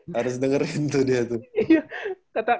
harus dengerin tuh dia tuh